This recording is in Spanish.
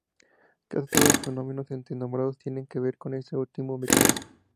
Casi todos los fenómenos antes nombrados tienen que ver con este último mecanismo.